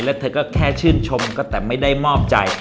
แล้วเธอก็แค่ชื่นชมก็แต่ไม่ได้มอบใจ